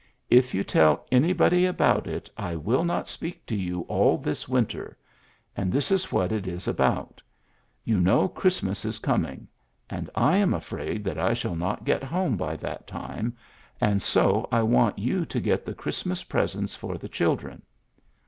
^^If you tell anybody about it, I will not speak to you all this winter. And this is what it is about. You know Christmas is coming ; and I am afraid that I shall not get home by that time, and so I want you to get the Christmas presents for the children."